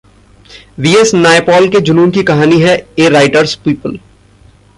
VS Naipaul के जुनून की कहानी है 'ए राइटर्स पीपुल'